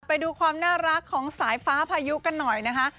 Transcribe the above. ไปดูความน่ารักของสายฟ้าพายุกันหน่อยนะคะ